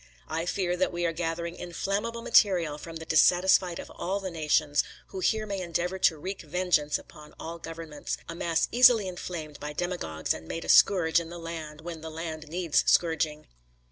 I fear that we are gathering inflammable material from the dissatisfied of all the nations, who here may endeavour to reek vengeance upon all governments; a mass easily inflamed by demagogues and made a scourge in the land, when the land needs scourging.